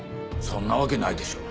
そんなわけないでしょ。